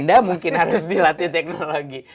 anda mungkin harus dilatih teknologi